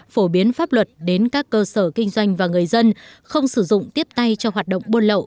phổ biến pháp luật đến các cơ sở kinh doanh và người dân không sử dụng tiếp tay cho hoạt động buôn lậu